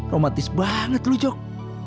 romantis banget lu jok